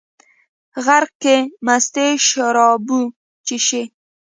غرک کې مستې شاربو، چې شي